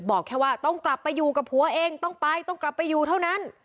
บอกแค่ว่าต้องกลับไปอยู่กับผัวเองต้องไปต้องกลับไปอยู่เท่านั้น